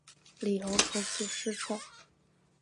李弘从此失宠。